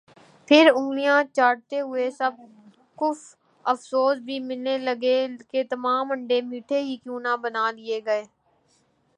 پھر انگلیاں چاٹتے ہوئے سب کف افسوس بھی ملنے لگے کہ تمام انڈے میٹھے ہی کیوں نہ بنا لئے گئے